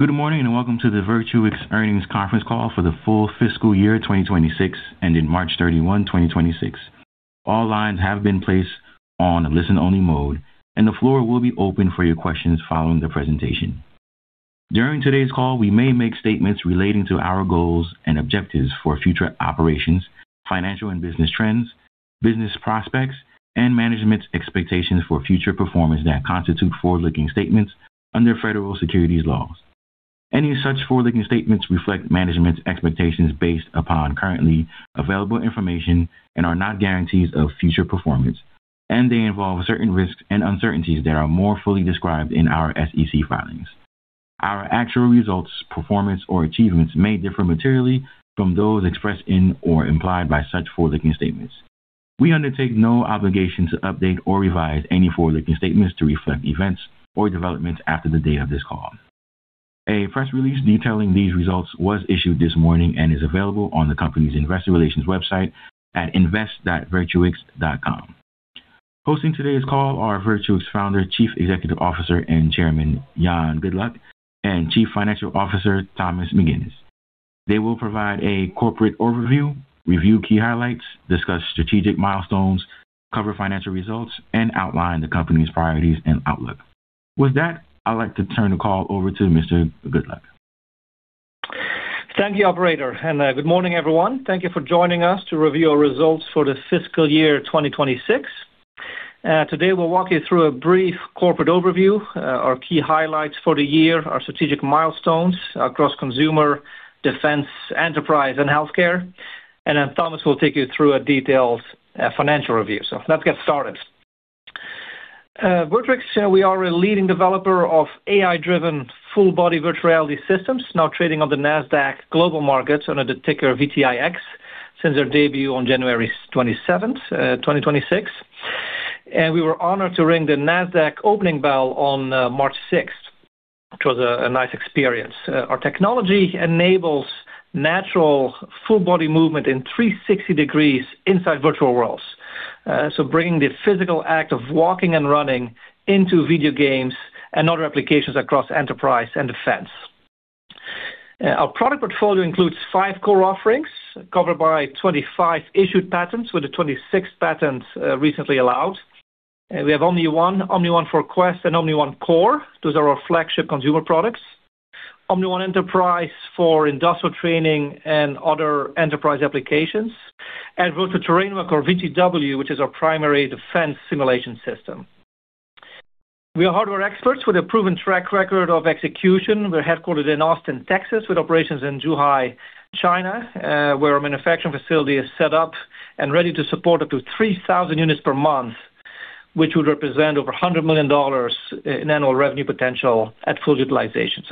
Good morning, welcome to the Virtuix Earnings Conference Call for the full fiscal year 2026, ending March 31, 2026. All lines have been placed on listen-only mode, the floor will be open for your questions following the presentation. During today's call, we may make statements relating to our goals and objectives for future operations, financial and business trends, business prospects, and management's expectations for future performance that constitute forward-looking statements under federal securities laws. Any such forward-looking statements reflect management's expectations based upon currently available information and are not guarantees of future performance, they involve certain risks and uncertainties that are more fully described in our SEC filings. Our actual results, performance or achievements may differ materially from those expressed in or implied by such forward-looking statements. We undertake no obligation to update or revise any forward-looking statements to reflect events or developments after the date of this call. A press release detailing these results was issued this morning and is available on the company's investor relations website at invest.virtuix.com. Hosting today's call are Virtuix founder, Chief Executive Officer, and Chairman, Jan Goetgeluk, and Chief Financial Officer, Thomas McGinnis. They will provide a corporate overview, review key highlights, discuss strategic milestones, cover financial results, and outline the company's priorities and outlook. With that, I'd like to turn the call over to Mr. Goetgeluk. Thank you, operator. Good morning, everyone. Thank you for joining us to review our results for the fiscal year 2026. Today, we'll walk you through a brief corporate overview, our key highlights for the year, our strategic milestones across consumer, defense, enterprise, and healthcare. Thomas will take you through detailed financial review. Let's get started. Virtuix, we are a leading developer of AI-driven full-body virtual reality systems, now trading on the Nasdaq Global Market under the ticker VTIX since our debut on January 27, 2026. We were honored to ring the Nasdaq opening bell on March 6, which was a nice experience. Our technology enables natural full-body movement in 360 degrees inside virtual worlds, bringing the physical act of walking and running into video games and other applications across enterprise and defense. Our product portfolio includes five core offerings covered by 25 issued patents, with a 26th patent recently allowed. We have Omni One, Omni One for Quest, and Omni One Core. Those are our flagship consumer products. Omni One Enterprise for industrial training and other enterprise applications, and Virtual Terrain Walk, or VTW, which is our primary defense simulation system. We are hardware experts with a proven track record of execution. We're headquartered in Austin, Texas, with operations in Zhuhai, China, where our manufacturing facility is set up and ready to support up to 3,000 units per month, which would represent over $100 million in annual revenue potential at full utilization.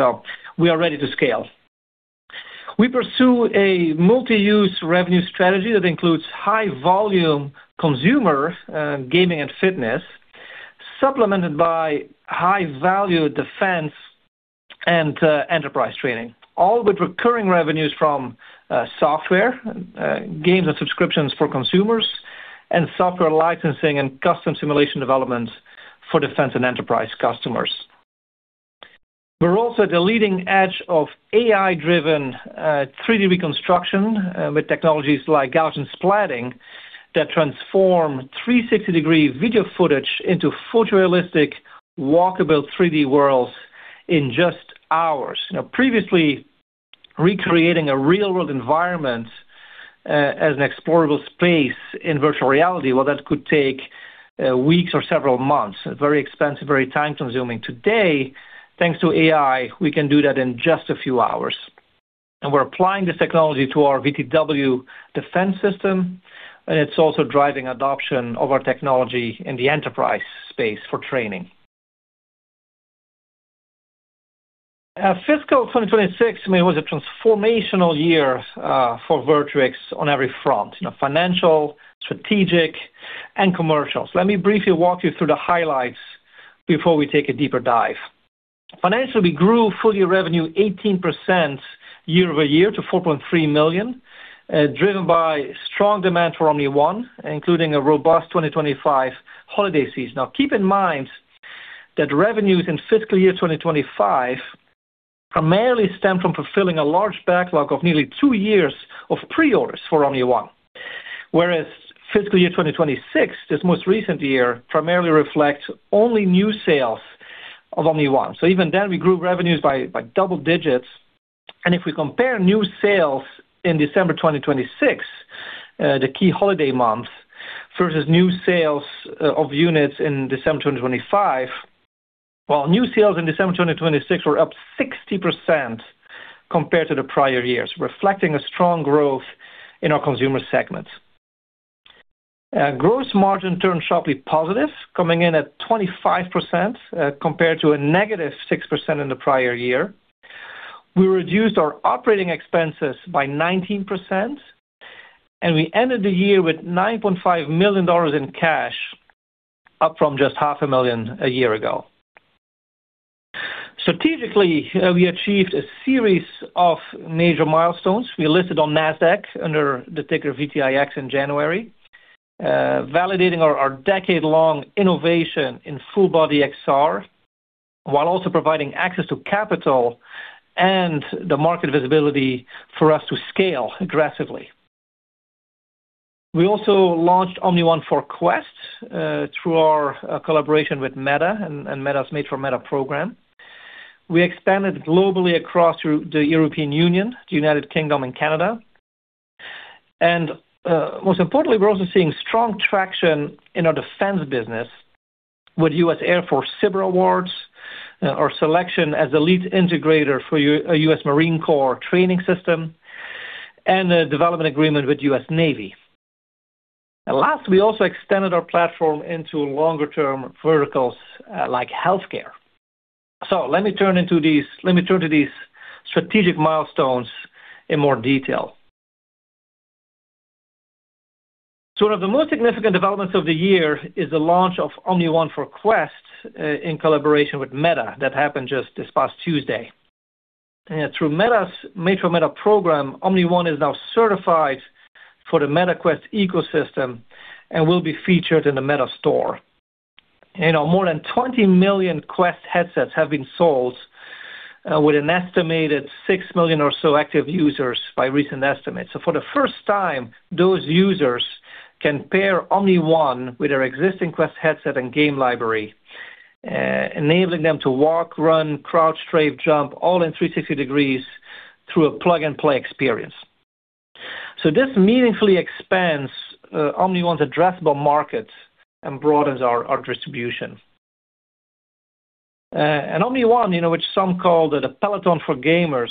We are ready to scale. We pursue a multi-use revenue strategy that includes high-volume consumer gaming and fitness, supplemented by high-value defense and enterprise training, all with recurring revenues from software, games and subscriptions for consumers, and software licensing and custom simulation development for defense and enterprise customers. We're also at the leading edge of AI-driven 3D reconstruction with technologies like Gaussian splatting that transform 360-degree video footage into photorealistic, walkable 3D worlds in just hours. Previously, recreating a real-world environment as an explorable space in virtual reality, well, that could take weeks or several months. Very expensive, very time-consuming. Today, thanks to AI, we can do that in just a few hours. We're applying this technology to our VTW defense system, and it's also driving adoption of our technology in the enterprise space for training. Fiscal 2026 was a transformational year for Virtuix on every front, financial, strategic, and commercial. Let me briefly walk you through the highlights before we take a deeper dive. Financially, we grew full-year revenue 18% year-over-year to $4.3 million, driven by strong demand for Omni One, including a robust 2025 holiday season. Keep in mind that revenues in fiscal year 2025 primarily stem from fulfilling a large backlog of nearly two years of pre-orders for Omni One. Fiscal year 2026, this most recent year, primarily reflects only new sales of Omni One. Even then, we grew revenues by double digits. If we compare new sales in December 2026, the key holiday month, versus new sales of units in December 2025, well, new sales in December 2026 were up 60% compared to the prior year's, reflecting a strong growth in our consumer segment. Gross margin turned sharply positive, coming in at 25% compared to a negative 6% in the prior year. We reduced our operating expenses by 19%. We ended the year with $9.5 million in cash, up from just half a million a year ago. Strategically, we achieved a series of major milestones. We listed on Nasdaq under the ticker VTIX in January, validating our decade-long innovation in full-body XR, while also providing access to capital and the market visibility for us to scale aggressively. We also launched Omni One for Quest through our collaboration with Meta and Meta's Made for Meta program. We expanded globally across the European Union, the United Kingdom, and Canada. Most importantly, we're also seeing strong traction in our defense business with U.S. Air Force SBIR awards, our selection as a lead integrator for a U.S. Marine Corps training system, and a development agreement with U.S. Navy. Last, we also extended our platform into longer-term verticals like healthcare. Let me turn to these strategic milestones in more detail. One of the most significant developments of the year is the launch of Omni One for Quest in collaboration with Meta. That happened just this past Tuesday. Through Meta's Made for Meta program, Omni One is now certified for the Meta Quest ecosystem and will be featured in the Meta store. More than 20 million Quest headsets have been sold with an estimated 6 million or so active users by recent estimates. For the first time, those users can pair Omni One with their existing Quest headset and game library, enabling them to walk, run, crouch, strafe, jump, all in 360 degrees through a plug-and-play experience. This meaningfully expands Omni One's addressable market and broadens our distribution. Omni One, which some called the Peloton for gamers,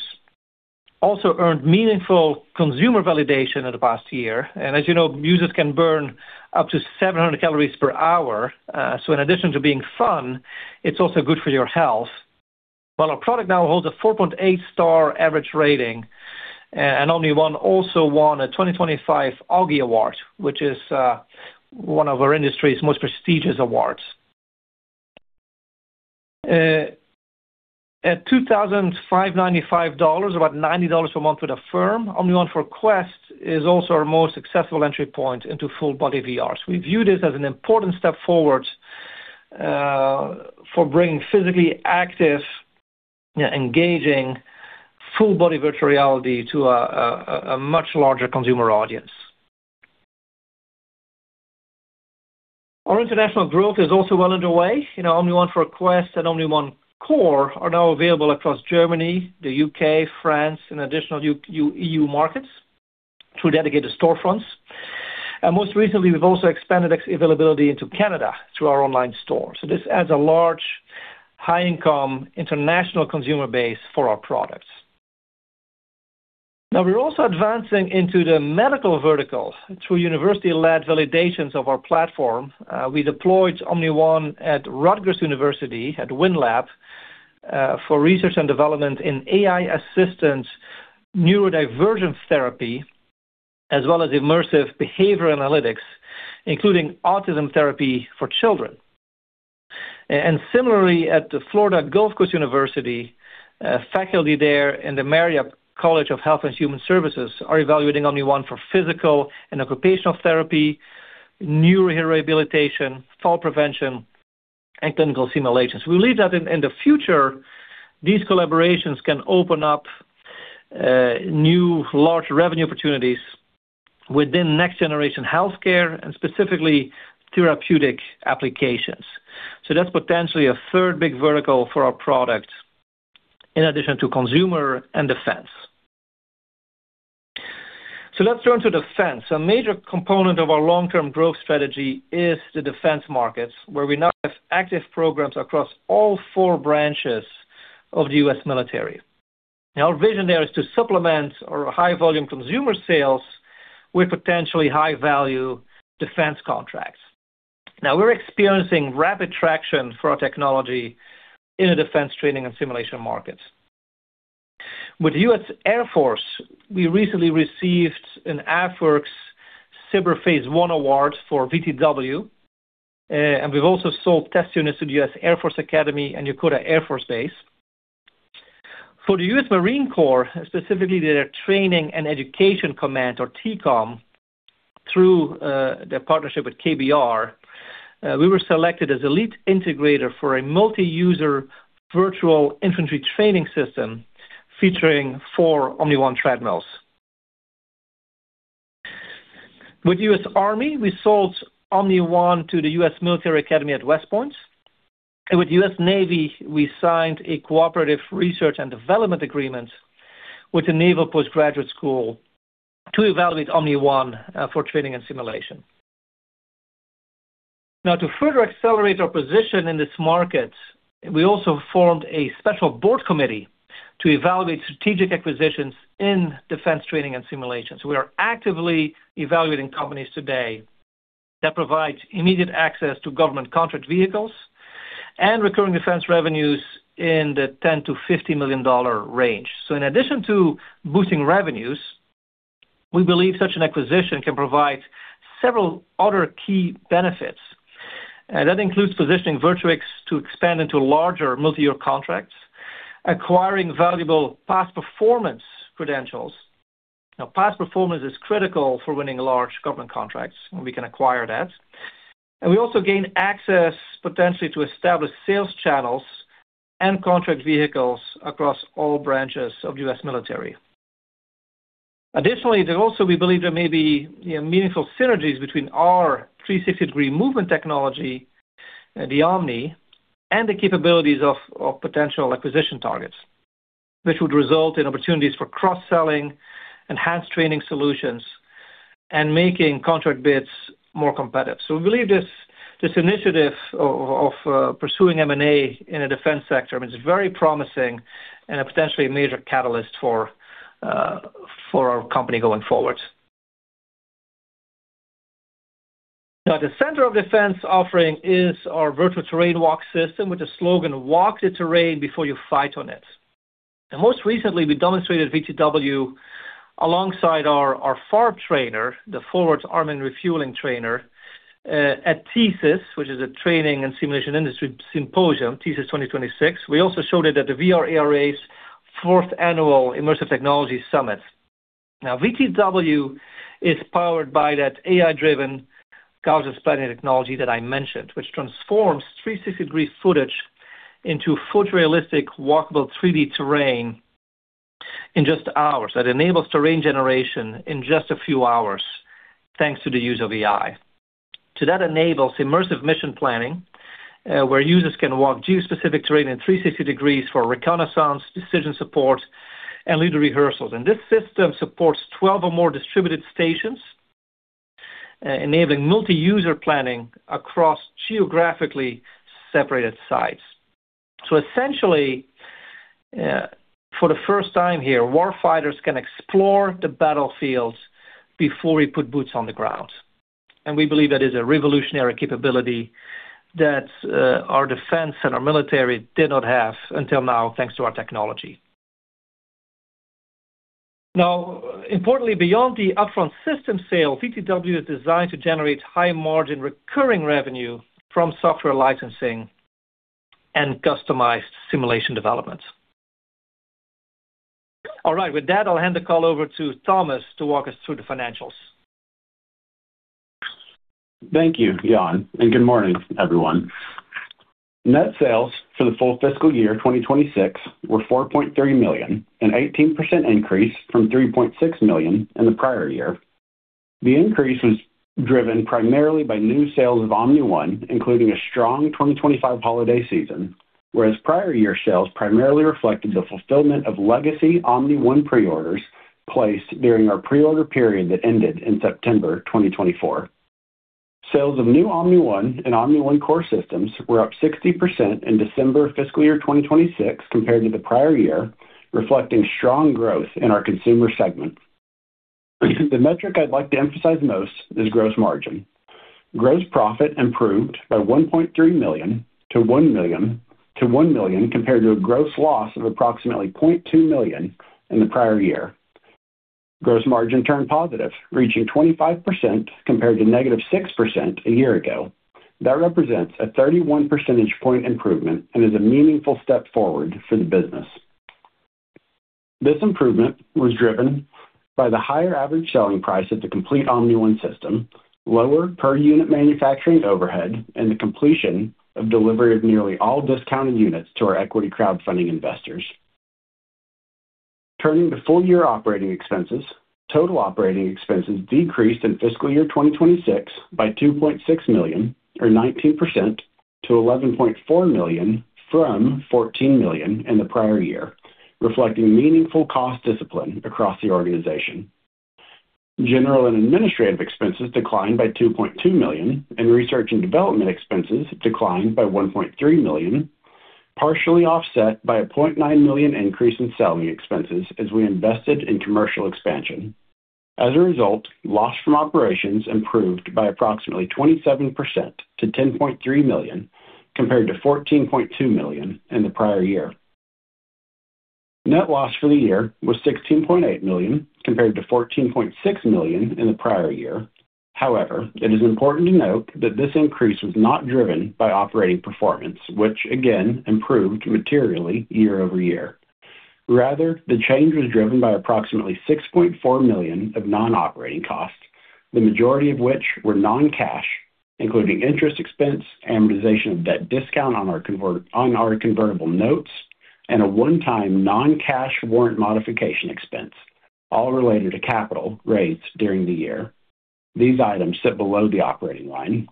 also earned meaningful consumer validation in the past year. As you know, users can burn up to 700 calories per hour. In addition to being fun, it is also good for your health. Our product now holds a 4.8-star average rating. Omni One also won a 2025 Auggie Award, which is one of our industry's most prestigious awards. At $2,595, about $90 a month with Affirm, Omni One for Quest is also our most successful entry point into full-body VR. We view this as an important step forward for bringing physically active, engaging, full-body virtual reality to a much larger consumer audience. Our international growth is also well underway. Omni One for Quest and Omni One Core are now available across Germany, the U.K., France, and additional EU markets through dedicated storefronts. Most recently, we have also expanded its availability into Canada through our online store. This adds a large, high-income, international consumer base for our products. We are also advancing into the medical vertical through university-led validations of our platform. We deployed Omni One at Rutgers University at WINLAB for research and development in AI-assisted neurodivergence therapy, as well as immersive behavior analytics, including autism therapy for children. Similarly, at the Florida Gulf Coast University, faculty there in the Marieb College of Health and Human Services are evaluating Omni One for physical and occupational therapy, neurorehabilitation, fall prevention, and clinical simulations. We believe that in the future, these collaborations can open up new large revenue opportunities within next-generation healthcare and specifically therapeutic applications. That is potentially a third big vertical for our product in addition to consumer and defense. Let us turn to defense. A major component of our long-term growth strategy is the defense markets, where we now have active programs across all four branches of the U.S. military. Our vision there is to supplement our high-volume consumer sales with potentially high-value defense contracts. We are experiencing rapid traction for our technology in the defense training and simulation markets. With U.S. Air Force, we recently received an AFWERX SBIR Phase I award for VTW. We have also sold test units to the U.S. Air Force Academy and Yokota Air Force Base. For the U.S. Marine Corps, specifically their Training and Education Command, or TECOM, through their partnership with KBR, we were selected as a lead integrator for a multi-user virtual infantry training system featuring four Omni One treadmills. With U.S. Army, we sold Omni One to the U.S. Military Academy at West Point. With U.S. Navy, we signed a cooperative research and development agreement with the Naval Postgraduate School to evaluate Omni One for training and simulation. To further accelerate our position in this market, we also formed a special board committee to evaluate strategic acquisitions in defense training and simulation. We are actively evaluating companies today that provide immediate access to government contract vehicles and recurring defense revenues in the $10 million-$50 million range. In addition to boosting revenues, we believe such an acquisition can provide several other key benefits. That includes positioning Virtuix to expand into larger multi-year contracts, acquiring valuable past performance credentials. Past performance is critical for winning large government contracts. We can acquire that. We also gain access, potentially, to established sales channels and contract vehicles across all branches of U.S. military. Additionally, we believe there may be meaningful synergies between our 360-degree movement technology, the Omni, and the capabilities of potential acquisition targets, which would result in opportunities for cross-selling, enhanced training solutions, and making contract bids more competitive. We believe this initiative of pursuing M&A in the defense sector is very promising and a potentially major catalyst for our company going forward. Now, the center of defense offering is our Virtual Terrain Walk system with the slogan, "Walk the terrain before you fight on it." Most recently, we demonstrated VTW alongside our Forward Arming and Refueling Point trainer at TSIS, which is a Training and Simulation Industry Symposium, TSIS 2026. We also showed it at the VR/AR's fourth annual Immersive Technology Summit. Now, VTW is powered by that AI-driven Gaussian splatting technology that I mentioned, which transforms 360-degree footage into photorealistic walkable 3D terrain in just hours. That enables terrain generation in just a few hours, thanks to the use of AI. That enables immersive mission planning, where users can walk geo-specific terrain in 360 degrees for reconnaissance, decision support, and leader rehearsals. This system supports 12 or more distributed stations, enabling multi-user planning across geographically separated sites. Essentially, for the first time here, warfighters can explore the battlefield before we put boots on the ground. We believe that is a revolutionary capability that our defense and our military did not have until now, thanks to our technology. Importantly, beyond the upfront system sale, VTW is designed to generate high-margin recurring revenue from software licensing and customized simulation development. All right. With that, I'll hand the call over to Thomas to walk us through the financials. Thank you, Jan, and good morning, everyone. Net sales for the full Fiscal Year 2026 were $4.3 million, an 18% increase from $3.6 million in the prior year. The increase was driven primarily by new sales of Omni One, including a strong 2025 holiday season, whereas prior year sales primarily reflected the fulfillment of legacy Omni One pre-orders placed during our pre-order period that ended in September 2024. Sales of new Omni One and Omni One Core systems were up 60% in December Fiscal Year 2026 compared to the prior year, reflecting strong growth in our consumer segment. The metric I'd like to emphasize most is gross margin. Gross profit improved by $1.3 million to $1 million compared to a gross loss of approximately $0.2 million in the prior year. Gross margin turned positive, reaching 25% compared to negative 6% a year ago. That represents a 31 percentage point improvement and is a meaningful step forward for the business. This improvement was driven by the higher average selling price of the complete Omni One system, lower per-unit manufacturing overhead, and the completion of delivery of nearly all discounted units to our equity crowdfunding investors. Turning to full-year operating expenses. Total operating expenses decreased in fiscal year 2026 by $2.6 million, or 19%, to $11.4 million from $14 million in the prior year, reflecting meaningful cost discipline across the organization. General and administrative expenses declined by $2.2 million, and research and development expenses declined by $1.3 million, partially offset by a $0.9 million increase in selling expenses as we invested in commercial expansion. As a result, loss from operations improved by approximately 27% to $10.3 million, compared to $14.2 million in the prior year. Net loss for the year was $16.8 million, compared to $14.6 million in the prior year. However, it is important to note that this increase was not driven by operating performance, which, again, improved materially year-over-year. Rather, the change was driven by approximately $6.4 million of non-operating costs, the majority of which were non-cash, including interest expense, amortization of debt discount on our convertible notes, and a one-time non-cash warrant modification expense, all related to capital raised during the year. These items sit below the operating line.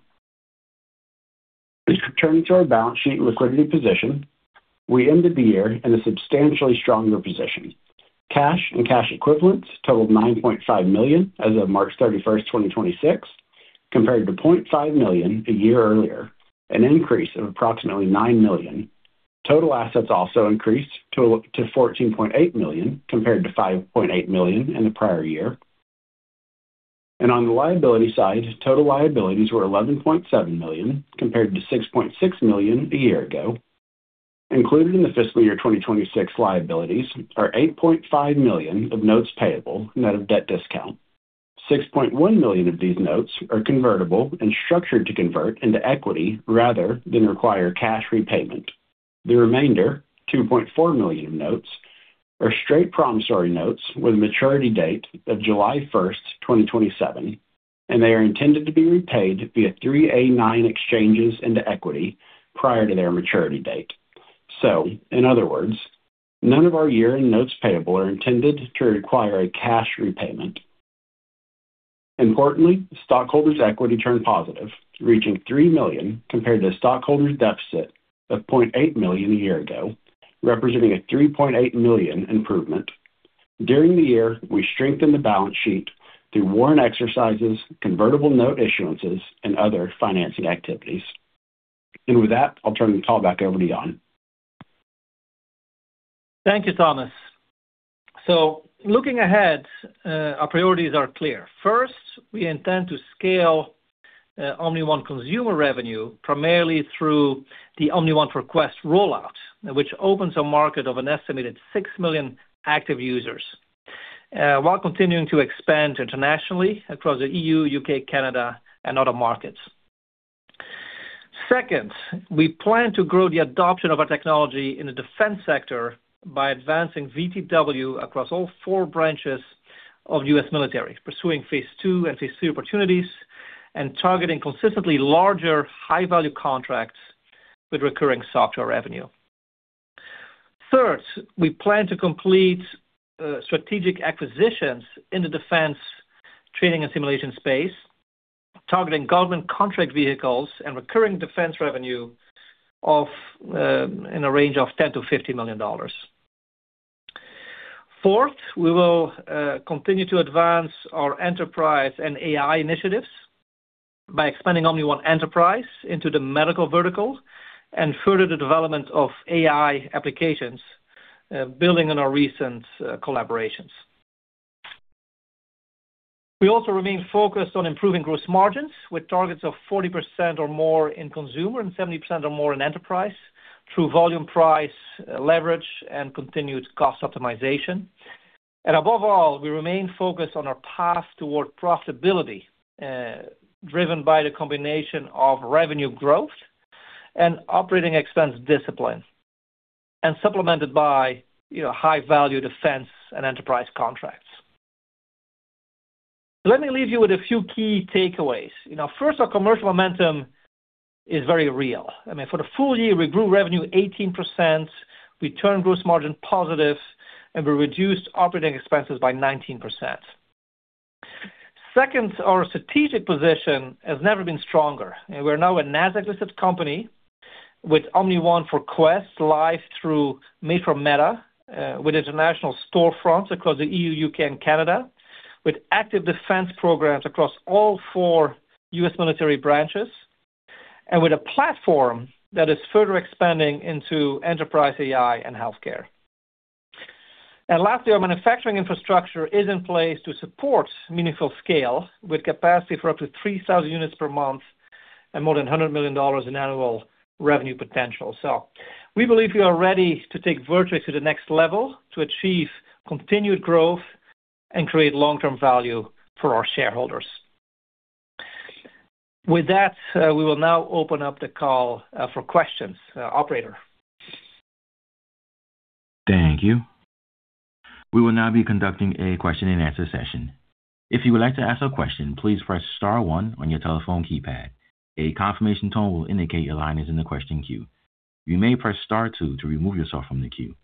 Turning to our balance sheet liquidity position. We ended the year in a substantially stronger position. Cash and cash equivalents totaled $9.5 million as of March 31st, 2026, compared to $0.5 million a year earlier, an increase of approximately $9 million. Total assets also increased to $14.8 million, compared to $5.8 million in the prior year. On the liability side, total liabilities were $11.7 million, compared to $6.6 million a year ago. Included in the fiscal year 2026 liabilities are $8.5 million of notes payable, net of debt discount. $6.1 million of these notes are convertible and structured to convert into equity rather than require cash repayment. The remainder, $2.4 million of notes, are straight promissory notes with a maturity date of July 1st, 2027, and they are intended to be repaid via 3(a)(9) exchanges into equity prior to their maturity date. In other words, none of our year-end notes payable are intended to require a cash repayment. Importantly, stockholders' equity turned positive, reaching $3 million compared to stockholders' deficit of $0.8 million a year ago, representing a $3.8 million improvement. During the year, we strengthened the balance sheet through warrant exercises, convertible note issuances, and other financing activities. With that, I'll turn the call back over to Jan. Thank you, Thomas. Looking ahead, our priorities are clear. First, we intend to scale Omni One consumer revenue primarily through the Omni One for Quest rollout, which opens a market of an estimated 6 million active users, while continuing to expand internationally across the EU, UK, Canada, and other markets. Second, we plan to grow the adoption of our technology in the defense sector by advancing VTW across all four branches of U.S. military, pursuing phase II and phase III opportunities, and targeting consistently larger, high-value contracts with recurring software revenue. Third, we plan to complete strategic acquisitions in the defense training and simulation space, targeting government contract vehicles and recurring defense revenue in a range of $10 million-$50 million. Fourth, we will continue to advance our enterprise and AI initiatives by expanding Omni One Enterprise into the medical vertical and further the development of AI applications, building on our recent collaborations. We also remain focused on improving gross margins with targets of 40% or more in consumer and 70% or more in enterprise through volume price leverage and continued cost optimization. Above all, we remain focused on our path toward profitability, driven by the combination of revenue growth and operating expense discipline, and supplemented by high-value defense and enterprise contracts. Let me leave you with a few key takeaways. First, our commercial momentum is very real. I mean, for the full year, we grew revenue 18%, we turned gross margin positive, and we reduced operating expenses by 19%. Second, our strategic position has never been stronger. We're now a Nasdaq-listed company with Omni One for Quest live through Meta, with international storefronts across the EU, U.K., and Canada, with active defense programs across all four U.S. military branches, and with a platform that is further expanding into enterprise AI and healthcare. Lastly, our manufacturing infrastructure is in place to support meaningful scale with capacity for up to 3,000 units per month and more than $100 million in annual revenue potential. We believe we are ready to take Virtuix to the next level to achieve continued growth and create long-term value for our shareholders. With that, we will now open up the call for questions. Operator? Thank you. We will now be conducting a question and answer session. If you would like to ask a question, please press star one on your telephone keypad. A confirmation tone will indicate your line is in the question queue. You may press star two to remove yourself from the queue.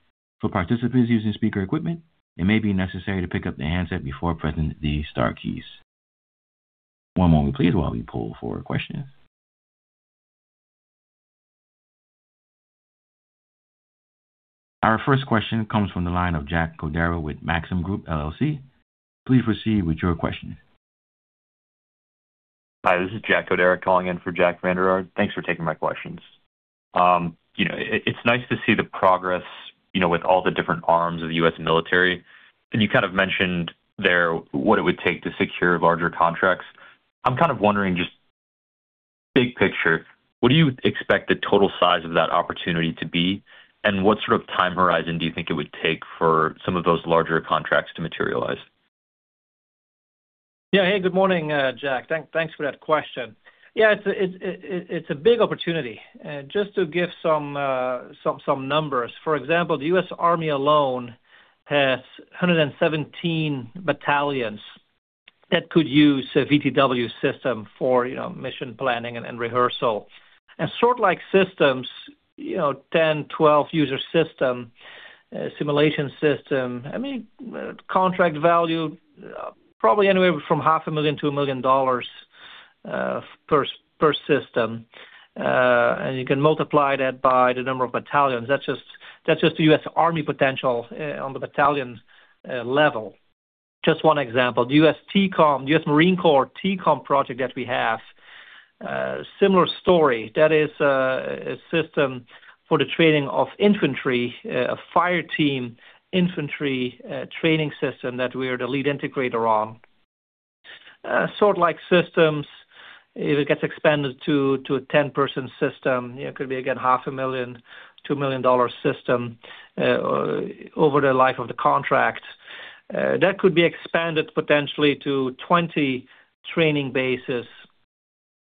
For participants using speaker equipment, it may be necessary to pick up the handset before pressing the star keys. One moment, please, while we pull for questions. Our first question comes from the line of Jack Codera with Maxim Group LLC. Please proceed with your question. Hi, this is Jack Codera calling in for Jack Vander Aarde. Thanks for taking my questions. It's nice to see the progress with all the different arms of the U.S. military. You kind of mentioned there what it would take to secure larger contracts. I'm kind of wondering, just big picture, what do you expect the total size of that opportunity to be? What sort of time horizon do you think it would take for some of those larger contracts to materialize? Hey, good morning, Jack. Thanks for that question. It's a big opportunity. Just to give some numbers, for example, the U.S. Army alone has 117 battalions that could use a VTW system for mission planning and rehearsal. Sort like systems, a 10, 12-user system, simulation system, I mean, contract value probably anywhere from half a million to a million dollars per system. You can multiply that by the number of battalions. That's just the U.S. Army potential on the battalion level. Just one example, the U.S. Marine Corps TECOM project that we have, similar story. That is a system for the training of infantry, a fire team infantry training system that we are the lead integrator on. Sort like systems, if it gets expanded to a 10-person system, it could be, again, half a million, $2 million system over the life of the contract. That could be expanded potentially to 20 training bases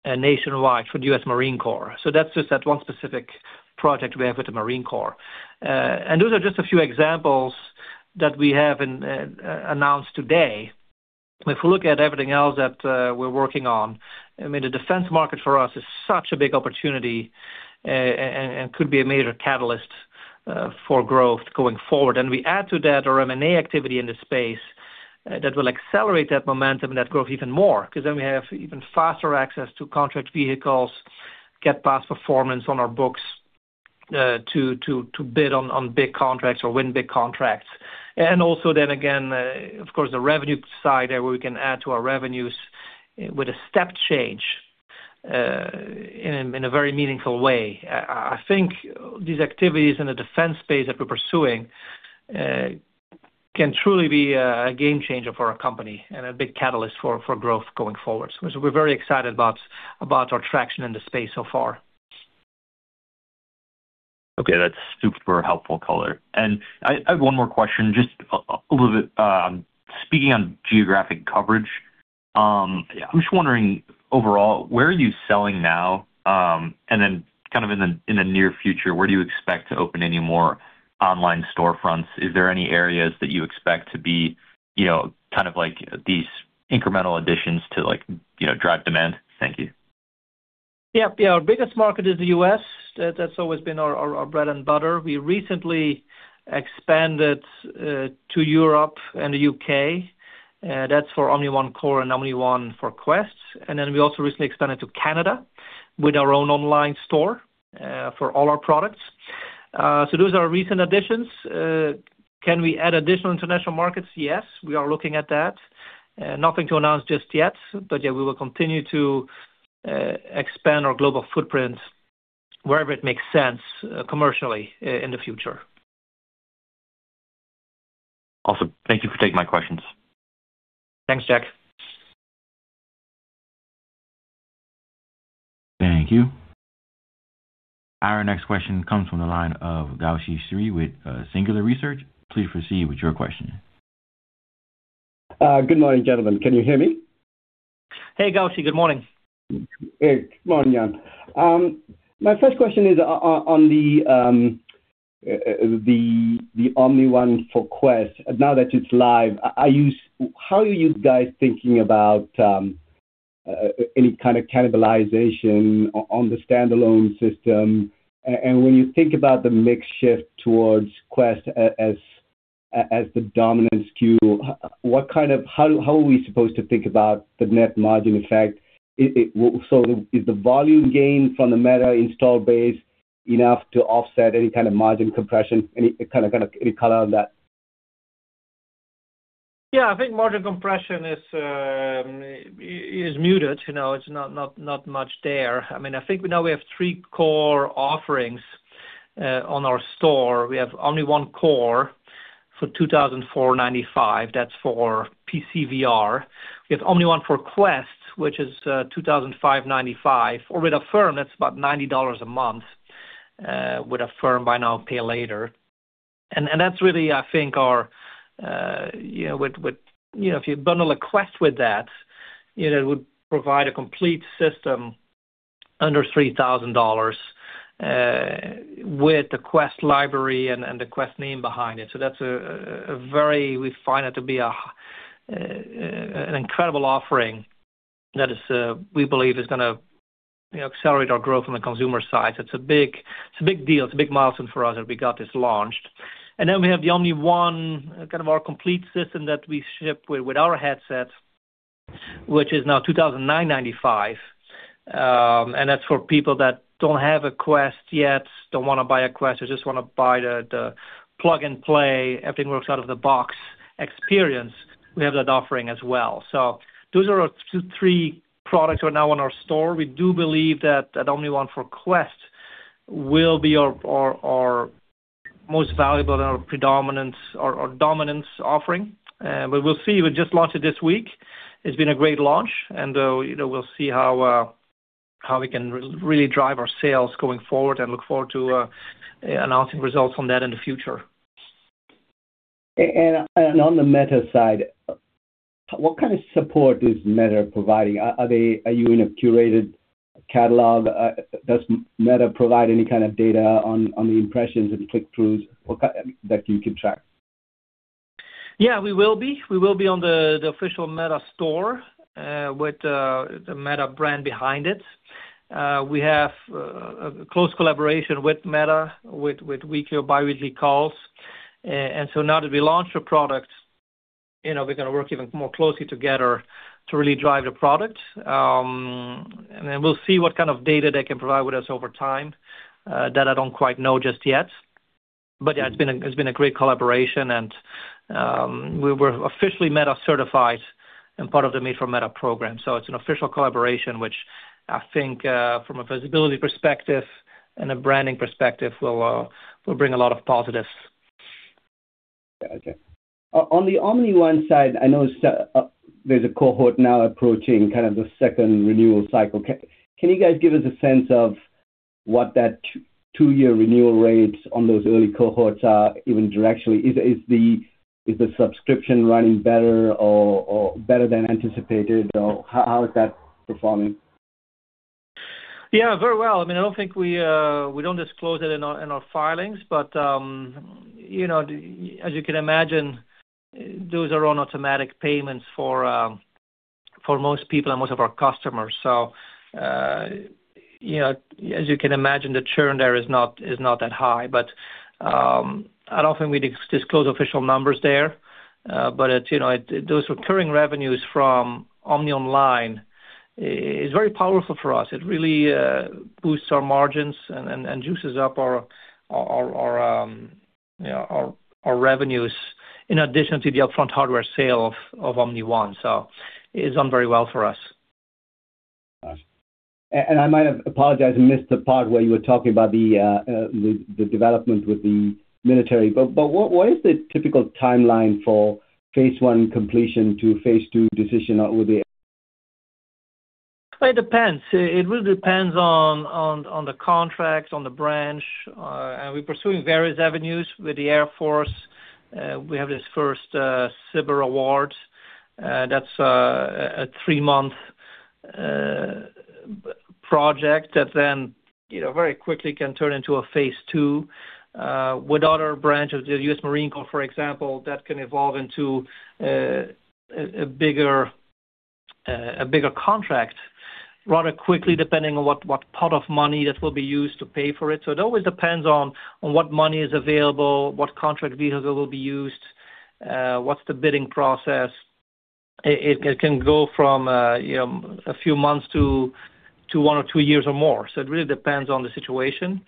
nationwide for the U.S. Marine Corps. That's just that one specific project we have with the Marine Corps. Those are just a few examples that we have announced today. If we look at everything else that we're working on, the defense market for us is such a big opportunity and could be a major catalyst for growth going forward. We add to that our M&A activity in the space, that will accelerate that momentum and that growth even more, because then we have even faster access to contract vehicles, get past performance on our books to bid on big contracts or win big contracts. Also then again, of course, the revenue side, where we can add to our revenues with a step change in a very meaningful way. I think these activities in the defense space that we're pursuing can truly be a game changer for our company and a big catalyst for growth going forward. We're very excited about our traction in the space so far. Okay. That's super helpful color. I have one more question, just a little bit. Speaking on geographic coverage, I am just wondering, overall, where are you selling now? In the near future, where do you expect to open any more online storefronts? Is there any areas that you expect to be these incremental additions to drive demand? Thank you. Yep. Our biggest market is the U.S. That's always been our bread and butter. We recently expanded to Europe and the U.K. That's for Omni One Core and Omni One for Quest. We also recently expanded to Canada with our own online store for all our products. Those are our recent additions. Can we add additional international markets? Yes, we are looking at that. Nothing to announce just yet, but yeah, we will continue to expand our global footprint wherever it makes sense commercially in the future. Awesome. Thank you for taking my questions. Thanks, Jack. Thank you. Our next question comes from the line of Gowshihan Sriharan with Singular Research. Please proceed with your question. Good morning, gentlemen. Can you hear me? Hey, Gowshihan, good morning. Hey, good morning, Jan. My first question is on the Omni One for Quest, now that it's live, how are you guys thinking about any kind of cannibalization on the standalone system? When you think about the mix shift towards Quest as the dominant SKU, how are we supposed to think about the net margin effect? Is the volume gain from the Meta install base enough to offset any kind of margin compression? Any color on that? Yeah, I think margin compression is muted. It's not much there. I think now we have three core offerings on our store. We have Omni One Core for $2,495, that's for PC VR. We have Omni One for Quest, which is $2,595, or with Affirm, that's about $90 a month with Affirm, buy now, pay later. That's really, I think, if you bundle a Quest with that, it would provide a complete system under $3,000 with the Quest library and the Quest name behind it. We find that to be an incredible offering that we believe is going to accelerate our growth on the consumer side. It's a big deal. It's a big milestone for us that we got this launched. We have the Omni One, kind of our complete system that we ship with our headsets, which is now $2,995. That's for people that don't have a Quest yet, don't want to buy a Quest, they just want to buy the plug-and-play, everything works out of the box experience. We have that offering as well. Those are our three products now on our store. We do believe that Omni One for Quest will be our most valuable and our dominant offering. We'll see. We just launched it this week. It's been a great launch, and we'll see how we can really drive our sales going forward, and look forward to announcing results on that in the future. On the Meta side, what kind of support is Meta providing? Are you in a curated catalog? Does Meta provide any kind of data on the impressions and click-throughs that you can track? Yeah, we will be. We will be on the official Meta store with the Meta brand behind it. We have a close collaboration with Meta, with weekly or bi-weekly calls. Now that we launched the product, we're going to work even more closely together to really drive the product. We'll see what kind of data they can provide with us over time. That I don't quite know just yet. Yeah, it's been a great collaboration, and we were officially Meta certified and part of the Made for Meta program. It's an official collaboration, which I think from a visibility perspective and a branding perspective, will bring a lot of positives. Yeah. Okay. On the Omni One side, I know there's a cohort now approaching kind of the second renewal cycle. Can you guys give us a sense of what that two-year renewal rates on those early cohorts are, even directionally? Is the subscription running better than anticipated? How is that performing? Yeah, very well. I mean, we don't disclose it in our filings, but, as you can imagine, those are on automatic payments for most people and most of our customers. As you can imagine, the churn there is not that high. I don't think we disclose official numbers there. Those recurring revenues from Omni Online is very powerful for us. It really boosts our margins and juices up our revenues in addition to the upfront hardware sale of Omni One, so it's done very well for us. Got it. I might have, apologize, missed the part where you were talking about the development with the military, but what is the typical timeline for phase I completion to phase II decision with the? It depends. It really depends on the contracts, on the branch. We're pursuing various avenues with the Air Force. We have this first SBIR award, that's a three-month project that then very quickly can turn into a phase II. With other branches, the U.S. Marine Corps, for example, that can evolve into a bigger contract rather quickly, depending on what pot of money that will be used to pay for it. It always depends on what money is available, what contract vehicle will be used, what's the bidding process. It can go from a few months to one or two years or more. It really depends on the situation.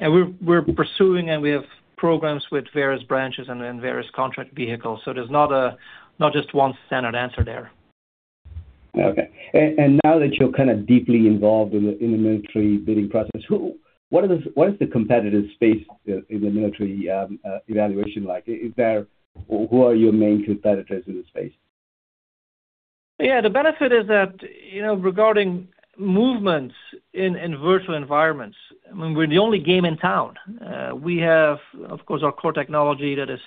We're pursuing, and we have programs with various branches and various contract vehicles, so there's not just one standard answer there. Okay. Now that you're kind of deeply involved in the military bidding process, what is the competitive space in the military evaluation like? Who are your main competitors in the space? Yeah, the benefit is that regarding movements in virtual environments, I mean, we're the only game in town. We have, of course, our core technology that is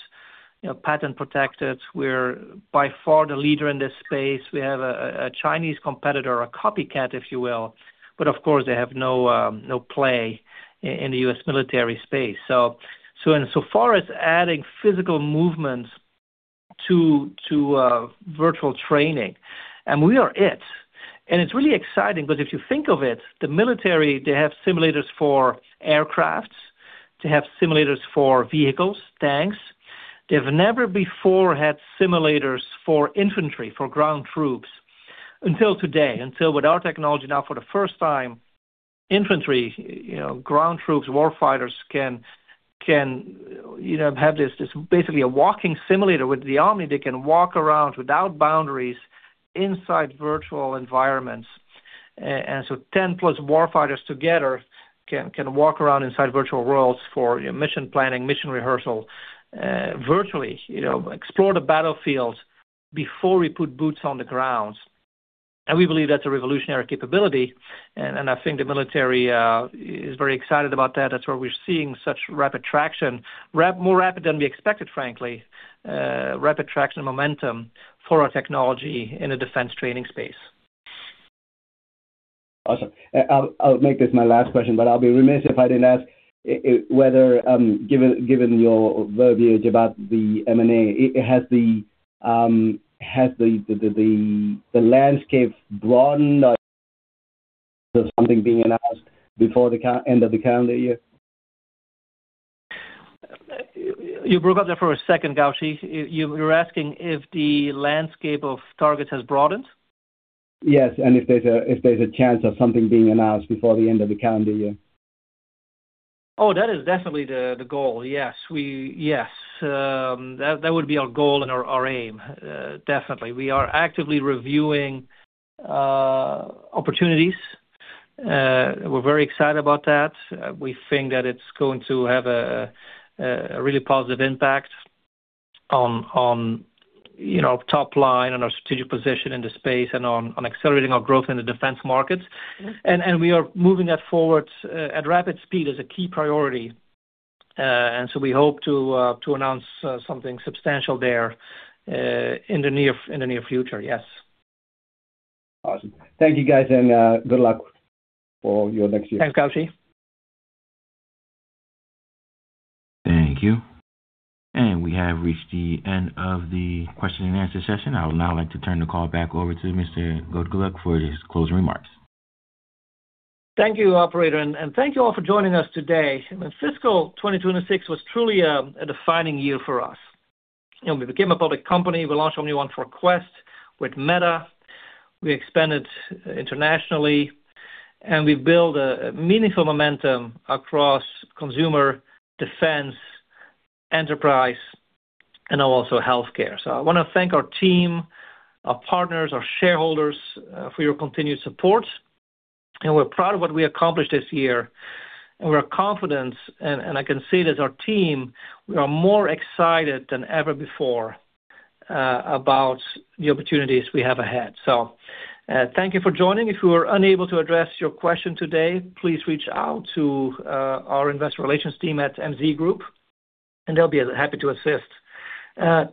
patent protected. We're by far the leader in this space. We have a Chinese competitor, a copycat, if you will. Of course, they have no play in the U.S. military space. In so far as adding physical movement to virtual training, we are it. It's really exciting because if you think of it, the military, they have simulators for aircraft, they have simulators for vehicles, tanks. They've never before had simulators for infantry, for ground troops, until today. Until with our technology now, for the first time, infantry, ground troops, war fighters can have this, basically a walking simulator with the Omni. They can walk around without boundaries inside virtual environments. 10-plus war fighters together can walk around inside virtual worlds for mission planning, mission rehearsal, virtually explore the battlefield before we put boots on the ground. We believe that's a revolutionary capability. I think the military is very excited about that. That's why we're seeing such rapid traction, more rapid than we expected, frankly, rapid traction and momentum for our technology in the defense training space. Awesome. I'll make this my last question. I'll be remiss if I didn't ask whether, given your verbiage about the M&A, has the landscape broadened or is there something being announced before the end of the calendar year? You broke up there for a second, Gowshihan. You're asking if the landscape of targets has broadened? Yes. If there's a chance of something being announced before the end of the calendar year. Oh, that is definitely the goal. Yes. That would be our goal and our aim, definitely. We are actively reviewing opportunities. We're very excited about that. We think that it's going to have a really positive impact on our top line, on our strategic position in the space, and on accelerating our growth in the defense markets. We are moving that forward at rapid speed as a key priority. We hope to announce something substantial there in the near future, yes. Awesome. Thank you, guys, and good luck for your next year. Thanks, Gowshihan. Thank you. We have reached the end of the question and answer session. I would now like to turn the call back over to Mr. Jan Goetgeluk for his closing remarks. Thank you, operator, and thank you all for joining us today. Fiscal 2026 was truly a defining year for us. We became a public company, we launched OmniOne for Quest with Meta, we expanded internationally, and we built a meaningful momentum across consumer defense, enterprise, and also healthcare. I want to thank our team, our partners, our shareholders for your continued support, and we're proud of what we accomplished this year, and we're confident, and I can say this, our team, we are more excited than ever before about the opportunities we have ahead. Thank you for joining. If we were unable to address your question today, please reach out to our investor relations team at MZ Group, and they'll be happy to assist.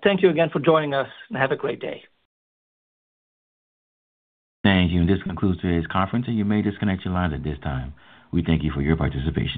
Thank you again for joining us, and have a great day. Thank you. This concludes today's conference, and you may disconnect your lines at this time. We thank you for your participation.